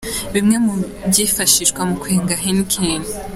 Bimwe mu byifashishwa mu kwenga Heineken.